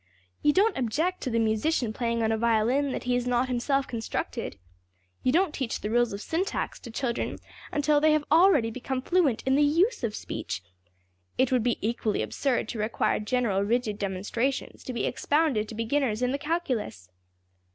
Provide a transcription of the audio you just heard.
You don't object to the musician playing on a violin that he has not himself constructed. You don't teach the rules of syntax to children until they have already become fluent in the \emph{use} of speech. It would be equally absurd to require general rigid demonstrations to be expounded to beginners in the calculus.